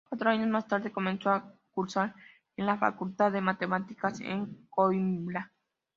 Cuatro años más tarde, comenzó a cursar en la Facultad de Matemáticas en Coímbra.